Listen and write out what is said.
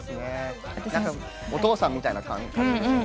お父さんみたいな感じですね。